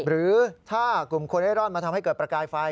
หรือถ้ากลุ่มคนเร่ร่อนมาทำให้เกิดประกายไฟ